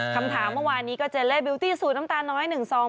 คุณถามเมื่อวานนี้ก็เจเลบิวตี้สูตรน้ำตาน้อย๑ซอง